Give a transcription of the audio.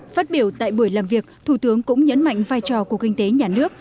phát biểu tại buổi làm việc thủ tướng cũng nhấn mạnh vai trò của kinh tế nhà nước